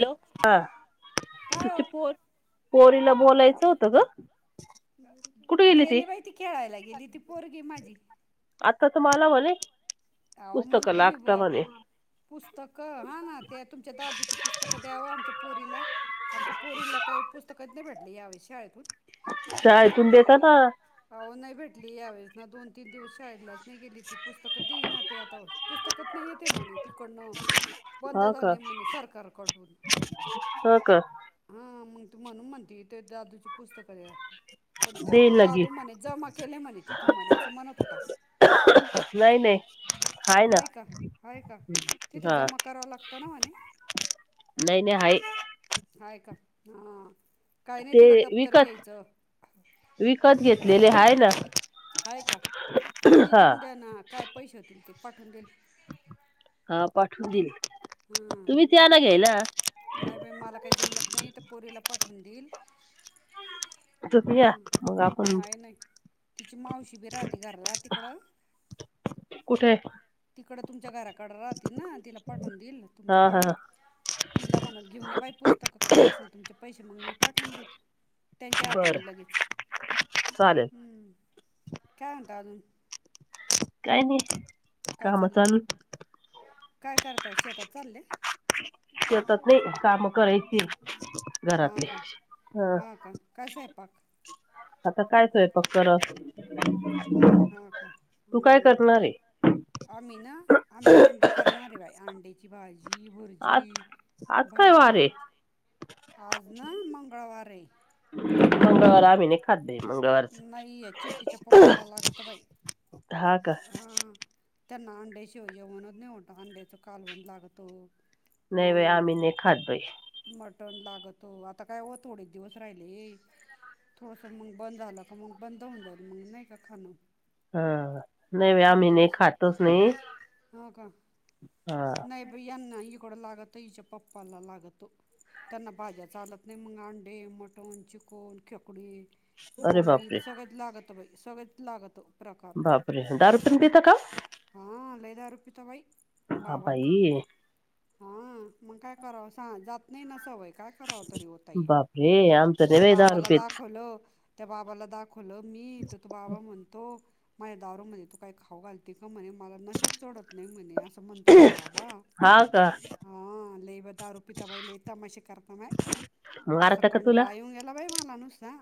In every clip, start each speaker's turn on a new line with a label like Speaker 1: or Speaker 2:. Speaker 1: Hello! हा,
Speaker 2: काय हो
Speaker 1: तुमच्या पोर पोरीला बोलाय च होतं गं, कुठे गेली ती?
Speaker 2: ती खेळायला गेली. ती पोरगी माझी
Speaker 1: आता तर मला म्हने,
Speaker 2: अवो मग तूम्ही ब पुस्तक हा ना ते तुमच्या दादूची पुस्तक द्याव आमच्या पोरीला आमच्या पोरीला काही पुस्तकच नाही भेटली यावेळी शाळेतून
Speaker 1: शाळेतून देतात ना
Speaker 2: अहो नाही भेटली यावेळेस ना दोन तीन दिवस शाळेलाच नाही गेली ती पुस्तक देईणार ते आता पुस्तकात नाही येते म्हणे तिकडन. बंद
Speaker 1: हा
Speaker 2: झाले म्हणे सरकार कडून
Speaker 1: हो का
Speaker 2: हा मग तू म्हणून म्हणते ते दादूची पुस्तक द्या. पण त्यो
Speaker 1: देईल ना
Speaker 2: दादू
Speaker 1: गिफ्ट
Speaker 2: म्हणे जमा केले म्हणे तिथे म्हणे अस म्हणत होता.
Speaker 1: नाही नाही. हाय ना
Speaker 2: नाही का. आहे का? तिथ
Speaker 1: हा
Speaker 2: जमा कराव लागत ना म्हणे.
Speaker 1: नाही नाही आहे.
Speaker 2: आहे का? हा काही नाही
Speaker 1: ते
Speaker 2: तिला दप्तर
Speaker 1: विकत
Speaker 2: घ्यायच.
Speaker 1: विकत घेतलेले हाय ना
Speaker 2: आहे का? मग ते
Speaker 1: हा
Speaker 2: देऊन द्या ना. काय पैसे होतील ते पाठवून देईल.
Speaker 1: हा पाठवून देईल.
Speaker 2: हम.
Speaker 1: तुम्हीच या ना घ्यायला
Speaker 2: नाही बाई, मला काही जमत नाही त्या पोरीला पाठवून देईल.
Speaker 1: तुम्ही या
Speaker 2: हम्म.
Speaker 1: मग आपण
Speaker 2: नाही -नाही, तिची मावशी बी राहते घराला तिकड.
Speaker 1: कुठे?
Speaker 2: तिकड तुमच्या घराकड राहती ना, तिला पाठवून देईल ना
Speaker 1: हा हा
Speaker 2: तुमच्याकड. तिला म्हणत घेऊन बाई पुस्तक. काय असेल तुमचे पैसे मग, मी पाठवून दिईल. त्यांच्या
Speaker 1: बरं
Speaker 2: हाताने लगेच.
Speaker 1: चालेल
Speaker 2: हम्म. काय म्हणता अजून?
Speaker 1: काय नाही
Speaker 2: काय
Speaker 1: काम
Speaker 2: चाललं
Speaker 1: चालू.
Speaker 2: काय करताय? शेतात चाललय?
Speaker 1: शेतात नाही काम करायची
Speaker 2: हा
Speaker 1: घरातले.
Speaker 2: का? हा का? काय स्वयंपाक
Speaker 1: आता काय स्वयंपाक कराव [unintelligible]
Speaker 2: हा का. हम,
Speaker 1: आहे?
Speaker 2: आम्ही ना आम्ही अंडे कर णार आहे बाय. अंड्याची भाजी, भुर्जी,
Speaker 1: आज आज काय वार आहे
Speaker 2: भात आज ना मंगळवार आहे.
Speaker 1: मंगळवार आम्ही नाही खात बई मंगळवारच.
Speaker 2: नाही आहे चिंटीच्या पप्पाला लागत बाई
Speaker 1: हा का
Speaker 2: हां त्यांना अंड्या शिव जेवणच नाही होत अंड्याच कालवन लागत
Speaker 1: नाही बाई
Speaker 2: मंग
Speaker 1: आम्ही नाही खात बाई.
Speaker 2: मटण लागत. आता काय हो थोडेच दिवस राहिले हे. थोडस म बंद झाल का, मग बंद होऊन जाईल. मग नाही का खाण
Speaker 1: हा. नाही बाई, आम्ही नाही खातच नाही.
Speaker 2: हो का
Speaker 1: हा
Speaker 2: नाही बई यांना इकड लागत, हिच्या पप्पाला लागतो. त्यांना भाज्या चालत नाही मग अंडे, मटण, चिकण, खेकडी,
Speaker 1: अरे
Speaker 2: बोंबील.
Speaker 1: बापरे
Speaker 2: सगळच लागत बाई सगळच लागत. प्रकार.
Speaker 1: बापरे दारू पण पिता का?
Speaker 2: हा लय दारुपिता बाई
Speaker 1: हा
Speaker 2: बाबा.
Speaker 1: बाई.
Speaker 2: हा, मग काय कराव सां जात नाही ना, सवय काय करावं तरी, ओ ताई
Speaker 1: बापरे आमचं नाही
Speaker 2: त्या
Speaker 1: बाई दारू
Speaker 2: बाबाला
Speaker 1: पीत.
Speaker 2: दाखवलं त्या, बाबाला दाखवलं मी, तर तो बाबा म्हणतो माझ्या [inaudible] तू काय खाऊ घालते का? म्हणे मला नशाच चढत नाही म्हणे असं. म्हणतो बाबा,
Speaker 1: हा का
Speaker 2: हा लय बा [inaudible] बाई लय तमाशे, करता माय, नुसता,
Speaker 1: मारता का तुला
Speaker 2: कंटाळ येऊन गेला, बाई मला नुसता.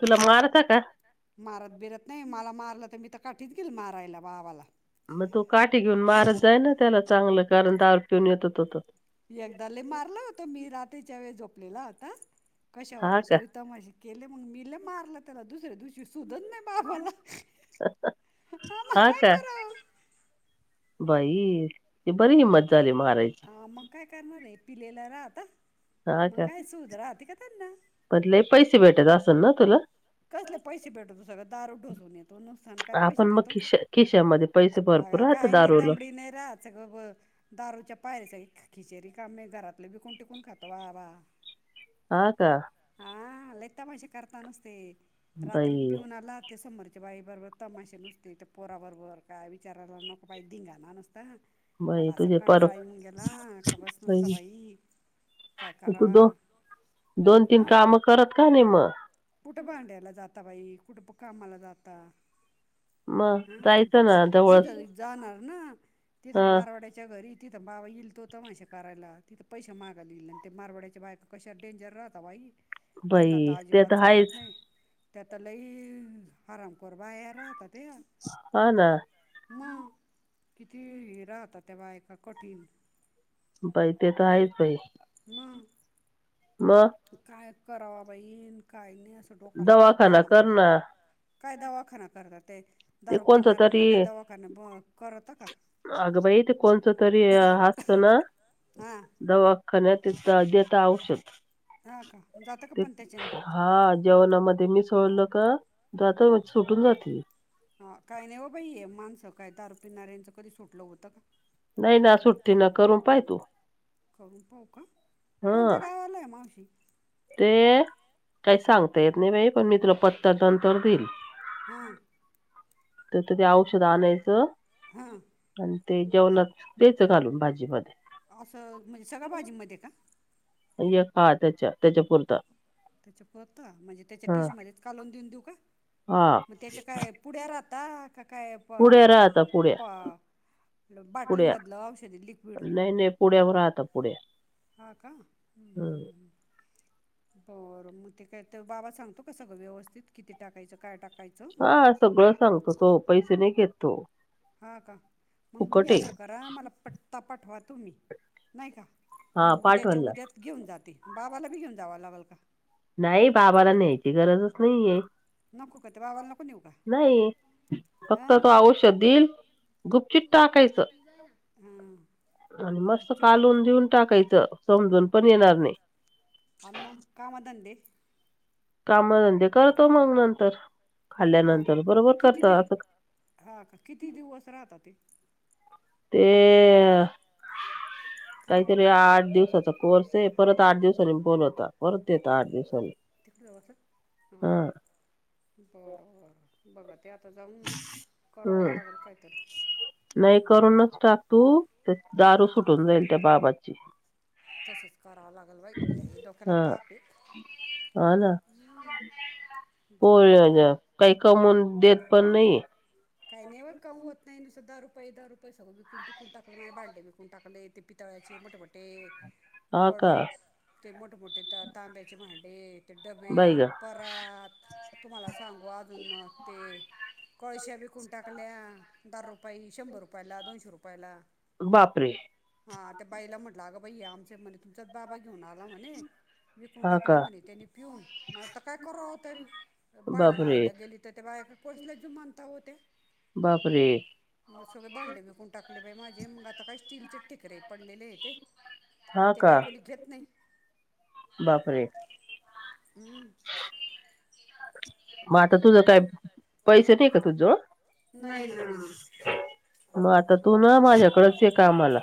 Speaker 1: तुला मारता का?
Speaker 2: मारत बिरत नाही, मला मारलं तर मी, तर काठीच गेलं मारायला बाबा ला.
Speaker 1: मग, तो काठी घेऊन मारत जायना, त्याला चांगलं कारण [inaudible] येतो तो,
Speaker 2: एकदा, लई मारलं होतं मी, रात्रीच्या वेळे झोपलेला होता.
Speaker 1: हा
Speaker 2: कशावरन,
Speaker 1: का
Speaker 2: तरी तमाशे केले. म्हणून मी, लय मारलं त्याला, दुसऱ्या दिवशी, सुधच नाही बाबाला.
Speaker 1: [inaudible]
Speaker 2: हा, मग काय कराव.
Speaker 1: बाई, ती बरी हिंमत, झाली मराय
Speaker 2: ह, मग काय करणार आहे, [inaudible] राहता
Speaker 1: हा
Speaker 2: मग
Speaker 1: का
Speaker 2: काय, सूद राहते का त्यांना.
Speaker 1: पण, लय पैसे भेटत असेल ना तुला?
Speaker 2: कसले, पैसे भेटतू सगळं [inaudible] ढोसून येतो, नुकसान काय पैसे
Speaker 1: आपण मग
Speaker 2: देतो
Speaker 1: खिश खिशामध्ये पैसे
Speaker 2: अग,
Speaker 1: भरपूर राहत
Speaker 2: काही नाही,
Speaker 1: दारूला
Speaker 2: दमडी नाही राहाच ग [inaudible] पायरीच खिचरी काम नाही, घरातलं बिकून टिकून खातो बाबा.
Speaker 1: हा, का,
Speaker 2: हा, लय तमाशे करता, नुसते
Speaker 1: बाई
Speaker 2: रात्रीत [inaudible] आला ते, समोरच्या बाई बरोबर, तमाशे नुसते, त्या पोराबरोबर, काय विचारायला नको, बाई धिंगाणा नुसता.
Speaker 1: बाई
Speaker 2: मला, असा
Speaker 1: तुझे पर
Speaker 2: कनटाळ येवून गेला, कि बस नुसत बाई काय
Speaker 1: तू
Speaker 2: करवा,
Speaker 1: दो दोन, तीन, काम करत का नाही मग?
Speaker 2: कुठं, भांड्याला जाता बाई, कुठुं, - प कामाला जाता.
Speaker 1: मग
Speaker 2: हा,
Speaker 1: जायचं ना जवळच
Speaker 2: जिथं जाणार ना,
Speaker 1: ह
Speaker 2: तिथं मारवाड्याच्या घरी, तिथं, बाबा येईल तो, तमाशा करायला, तिथं पैसे मागाला येईल, आणि ते मारवाड्याच्या, बायका कशा डेंजर राहत. आता बाई, त्यांना तर
Speaker 1: बाई ते
Speaker 2: अजिबात, चालत
Speaker 1: आहेच
Speaker 2: त्या, तर लय, [inaudible] बाया राहा त्या,
Speaker 1: हा, ना,
Speaker 2: मग, किती हि राहातात, त्या बायका कठीण.
Speaker 1: बाई, ते तर, आहेच बाई,
Speaker 2: म,
Speaker 1: म,
Speaker 2: काय, कराव बाई, काय नाही असं, डोकाला ताप
Speaker 1: दवाखाना
Speaker 2: झाला
Speaker 1: कर
Speaker 2: माझा,
Speaker 1: ना
Speaker 2: काय, दवाखाना करतात, ते
Speaker 1: ते
Speaker 2: दारू [inaudible]
Speaker 1: कोणतं तरी
Speaker 2: काही दवाखाना ब करतं का,
Speaker 1: अगं, बाई ते कोणचं, तरी असतं ना.
Speaker 2: हां
Speaker 1: दवाखान्यात, देता औषध.
Speaker 2: हा, का, जातं का
Speaker 1: ते
Speaker 2: पण, त्याच्यानी?
Speaker 1: हा, जेवणामध्ये मी सोडल त, जात सुटून जाते.
Speaker 2: हा, काय नाही, हो बाई, माणसं काय [inaudible] कधी सुटलं होतं का?
Speaker 1: नाही, ना सुट्टीना, करून पाहितू.
Speaker 2: करून पाहू का? कोणत्या
Speaker 1: हा
Speaker 2: गावाला आहे मावशी,
Speaker 1: ते काही, सांगता येत नाही बाई, पण मी तुला पत्ता नंतर देईल.
Speaker 2: हां
Speaker 1: तर ते औषध आणायचं.
Speaker 2: हां,
Speaker 1: आणि ते जेवणांत द्यायचं घालून भाजी मध्ये
Speaker 2: असं म्हणजे सगळ्यां भाजीमंध्ये का
Speaker 1: एक हां त्यांच्या त्यांच्या पुरतां.
Speaker 2: त्यांच्या पूरतां म्हणजे त्यांच्या डिशमंध्येचं कालवून देऊन देऊ कां?
Speaker 1: हा
Speaker 2: मगं त्यांच्या कायं पुढ्या राहतां कां कायं पा
Speaker 1: पुढ्या राहता पुढ्या
Speaker 2: पा
Speaker 1: पुढ्या
Speaker 2: बाटलीमधलं औषधी लिक्विड
Speaker 1: नाही नाही पुढ्यावर राहता पुढ्या
Speaker 2: हां कां?
Speaker 1: हम्म.
Speaker 2: बरं मगं तो कायं बाबा सांगतो कां सगळं व्यवस्थित किती टाकायचं कायं टाकायचं?
Speaker 1: हां सगळं सांगतो तो पैसे नाहीं घेत तो
Speaker 2: हां कां मगं
Speaker 1: फुकट
Speaker 2: तुम्हीं
Speaker 1: आहे
Speaker 2: असं करा मला पत्ता पाठवा तुम्हीं नाही का मी
Speaker 1: हा
Speaker 2: उद्याच्या
Speaker 1: पाठवायला
Speaker 2: उद्यात घेऊन जाते बाबाला बी घेऊन जावाव लागल का?
Speaker 1: नाही बाबाला न्यायची गरजच नाहीये.
Speaker 2: नको का त्या बाबाला नको नेऊ का?
Speaker 1: फक्तं तो औषधं दिईल.
Speaker 2: हम्मं [unintelligible]
Speaker 1: आणि मस्तं कालून देऊन टाकायचं समजून पणं येणारं नाही.
Speaker 2: अ मगं कामं धंदे
Speaker 1: कामे धंदे करतों मगं नंतर
Speaker 2: हां का
Speaker 1: खाल्ल्यानंतर बरोबर
Speaker 2: किती
Speaker 1: करतो
Speaker 2: दिव
Speaker 1: आ.
Speaker 2: हां कां किती दिवसं राहतात ते.
Speaker 1: ते
Speaker 2: काय म्हणते
Speaker 1: कांहीतरी आठ दिवसांचा कोर्स आहे. परतं आठ दिवसांनी बोलवता परतं देता आठ दिवसांनी
Speaker 2: तिकड होत हां
Speaker 1: हा
Speaker 2: बरं बरं बघा ते आता जाऊंन करावंत लागेल कांहीतरी
Speaker 1: नाहीं करूंनच टाकू ते दारू
Speaker 2: हां
Speaker 1: सुटून जाईलं त्यां बाबांची
Speaker 2: तसंच करावं लागलं बाई लई डोक्यांला
Speaker 1: हा
Speaker 2: ताप आहे.
Speaker 1: हा ना पोर
Speaker 2: दोन दार [unintelligible]
Speaker 1: काही कमवून देतं पणं नाही.
Speaker 2: काही नाही व कमवत नाही नुसत दारू पाई दारू सगळं विकून विकून टाकलं नाही भांडे विकून टाकलें ते पी पितळ्यांचे मोठे मोठे
Speaker 1: हा का
Speaker 2: गडस ते मोठे मोठे तांब्याचे भांडे ते डब्बे
Speaker 1: बाई ग
Speaker 2: पार परात तुम्हांला सांगू अजून मगं ते कळशयां बी विकून टाकल्यां दारू पाई शंभर रुपयांला दोनशे रुपयांला
Speaker 1: बापरे
Speaker 2: हां त्यां बाईला म्हटलं अगं बाई आमचें म्हणे तुमचांच बाबां घेऊन आला म्हणे विकून
Speaker 1: हा का
Speaker 2: टाकल्यां म्हणे त्यांनी पिऊन मगं आता कायं करावा तरी
Speaker 1: बापरे
Speaker 2: भाडण्याला गेली. तरं त्यां बायाकडे पोसल्या जु म्हणतां त्यां
Speaker 1: बापरे
Speaker 2: मग सगळें भांडे विकून टाकले बाई माझे मग आता काही स्टीलचे ठिकरे पडलेले आहे ते
Speaker 1: हां कां
Speaker 2: घेतं नाही.
Speaker 1: बापरे
Speaker 2: हम्मं [unintelligible]
Speaker 1: मगं आता तुझं कायं पैसे नाही कां तुझ जवळ
Speaker 2: नाहीं नां [unintelligible]
Speaker 1: मग आता तू ना माझ्याकडच ये कामाला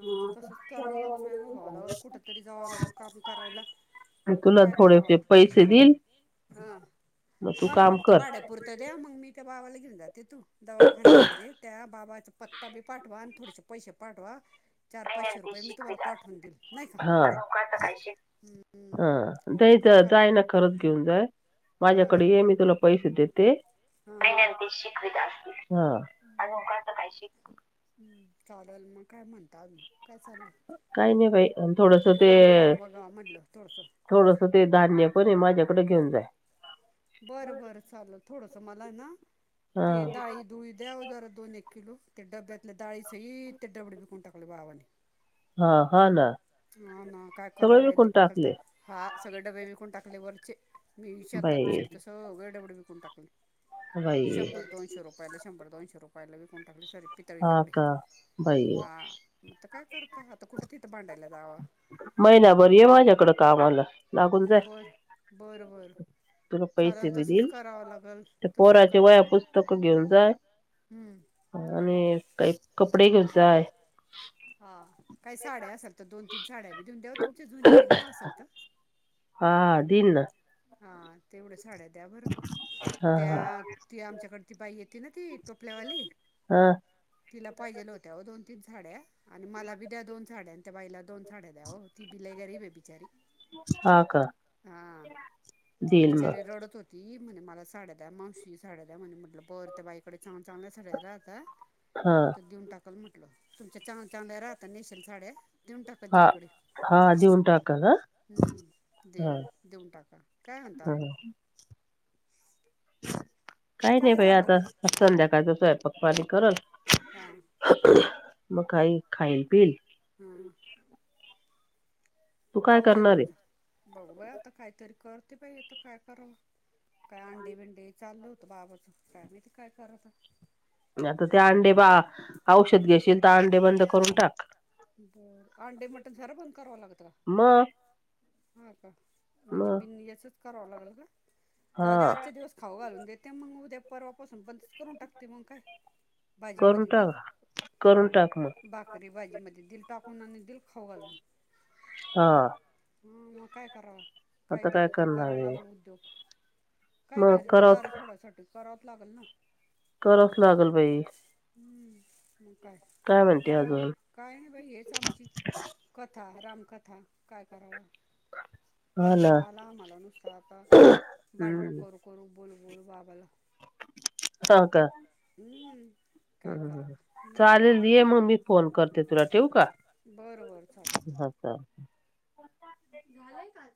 Speaker 2: हां तसंच करावं लागेल वेगळं बघावां लागेल कुठेतरी जावं लागेल कामं करायंला
Speaker 1: मी तुला थोडेसे पैसे देईल.
Speaker 2: हां
Speaker 1: मग तू
Speaker 2: मला
Speaker 1: काम
Speaker 2: फक्तं
Speaker 1: कर
Speaker 2: भाड्या पुुरतं द्या मगं मी त्यां बावाला घेऊन जाते तूं. दवाखांन्यामंध्ये त्यां बाबांचा पत्ता बी पाठवा आणि थोडेसे पैसे पाठवा. चार पाचशे रुपये मी तुम्हांला पाठवूंन देईल नाहीं कां.
Speaker 1: तेच जाईना. खरंच घेऊन जांय
Speaker 2: हां
Speaker 1: माझ्याकडे ये मी तुला पैसे देते.
Speaker 2: हां
Speaker 1: काही नाही आता ती शिकवीत आणि उगाच काळजी.
Speaker 2: हम चालेल मग काय म्हणत काय चाललंय?
Speaker 1: काही नाही बाई आणि थोडस
Speaker 2: कुठतरी काम पहावं-बघावं म्हणलं थोडसं.
Speaker 1: थोडंस ते धान्य पण आहे माझ्याकडे घेऊन जाय.
Speaker 2: बरं बर चालेल थोडसं मला आहे ना
Speaker 1: हा
Speaker 2: ते डाळी. दुळी द्यावं जरा दोन-एक किलो ते डब्यातल्या डाळी सहित ते डबडे विकून टाकले भावाने.
Speaker 1: हा हा ना
Speaker 2: हा ना काय करावं
Speaker 1: सगळं
Speaker 2: वाहिनी
Speaker 1: विकून
Speaker 2: डोक्याला ताप.
Speaker 1: टाकले
Speaker 2: हा, सगळे डबे विकून टाकले वरचे मी. हात
Speaker 1: बाई
Speaker 2: गेली तर सगळे डबडे विकून टाकले
Speaker 1: बाई
Speaker 2: शंभर-दोनश. रूपायला शंभर दोशे रुपायला विकून टाकले सारे. पितळी
Speaker 1: हा
Speaker 2: डबडी
Speaker 1: का बाई
Speaker 2: हां मगं कायं करता आता कुठं तिथं भांडायला जावां.
Speaker 1: महिनाभर ये माझ्याकडं कामाला लागून जाय.
Speaker 2: बर बर बर.
Speaker 1: तुला पैसे
Speaker 2: चालेल
Speaker 1: बी
Speaker 2: तसच
Speaker 1: देईल
Speaker 2: करावं लागेल
Speaker 1: त्या
Speaker 2: तसच
Speaker 1: पोराचे
Speaker 2: कराव.
Speaker 1: वया पुस्तक घेऊन जाय
Speaker 2: हम्म.
Speaker 1: आणि काही कपडे घेऊन जाय.
Speaker 2: हा काही साड्या असेल तर दोन तीन साड्या बी देऊन द्यावा तुमचे जुने बिने असल तर.
Speaker 1: हा, दिन ना.
Speaker 2: हा, तेवढ्या साड्या द्या बरं.
Speaker 1: हा
Speaker 2: त्या ती आमच्याकड ती बाई येते ना ती टोपल्यावाली.
Speaker 1: हा हा
Speaker 2: तिला पाहिजेल होत्या दोन-तीन साड्या आणि मला बी द्या दोन साड्या आणि त्या बाईला दोन साड्या द्या ओ. ती बि लय गरीब आहे बिचारी
Speaker 1: हा का
Speaker 2: हा. ती
Speaker 1: देईल
Speaker 2: बिचारी
Speaker 1: मग
Speaker 2: रडत होती म्हणे मला साड्या द्या मावशी साड्या द्या म्हणे म्हटलं बर. त्या बाईकडे चांग-चांगल्या सड्या राहाता
Speaker 1: हा
Speaker 2: तर देऊन टाक. कल म्हटलं तमच्या चांग-चांगल्या राहता नेशील साड्या. देऊन टाका
Speaker 1: हा
Speaker 2: जाईकडे
Speaker 1: हा देऊन टाकाल हा
Speaker 2: हम्म दे
Speaker 1: हा
Speaker 2: देऊन टाका. काय म्हणतां
Speaker 1: हा
Speaker 2: आजून?
Speaker 1: काही नाही
Speaker 2: काय
Speaker 1: बाई
Speaker 2: चाललं
Speaker 1: आता संध्याकाळ चा स्वयंपाक-पाणी करल.
Speaker 2: हा,
Speaker 1: मग काही खाइल -पिल.
Speaker 2: हम्म.
Speaker 1: तू काय
Speaker 2: पाऊस आहे का
Speaker 1: करणार
Speaker 2: तुझा बघू बाई आता काहीतरी करते बाई आता काय कराव. काय अंडी-बिंडी चालू होत बाबाच काय माहिती काय करत.
Speaker 1: आता ते अंडे बा औषध घेशील तर अंडे बंद करून टाक.
Speaker 2: बर अंडी मटण सारं बंद कराव लागतं का.
Speaker 1: म.
Speaker 2: हा का म्हणजे बिनी असच करावं लागेल का.
Speaker 1: हा
Speaker 2: ते मग उद्या परवापासून बंदच करून टाकते मग काय.
Speaker 1: करून
Speaker 2: भाजीमध्ये दिल
Speaker 1: टाक करून टाक मग
Speaker 2: बाकरी-भाजीमध्ये दिल टाकून आणि दिल खाऊ घालून.
Speaker 1: हा.
Speaker 2: हूं म काय करावं?
Speaker 1: आता काय
Speaker 2: कायतरी त
Speaker 1: करणार
Speaker 2: करावं
Speaker 1: आहे
Speaker 2: लागल उद्योग.
Speaker 1: मग
Speaker 2: कायतरी त दारु
Speaker 1: करावच
Speaker 2: सोडायसाठी करावंच लागल ना.
Speaker 1: करावच लागल बाई.
Speaker 2: हम्म मंग काय?
Speaker 1: म्हणते
Speaker 2: काय म्हणती?
Speaker 1: अजून
Speaker 2: काय नाय बाई हेच आमची कथा, रामकथा काय करावा?
Speaker 1: हा ना
Speaker 2: कंटाळा आला आम्हाला नुसता आता भांडणं
Speaker 1: हम्म
Speaker 2: करू करू बोलू बलू बाबाला
Speaker 1: ह का.
Speaker 2: हम्म.
Speaker 1: हूं
Speaker 2: काय
Speaker 1: हूं हूं
Speaker 2: करावा
Speaker 1: हूं चालेल ये म मी फोन करते तुला. ठेवू का?
Speaker 2: बर बर, चालल.
Speaker 1: चालतंय.
Speaker 2: झालंय का?